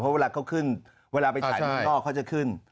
เพราะเวลาเขาขึ้นเวลาไปถ่ายข้างนอกเขาจะขึ้น